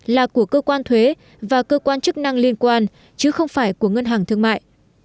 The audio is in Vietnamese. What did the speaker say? là của cơ quan thuế và cơ quan chức năng liên quan chứ không phải của ngân hàng thương mại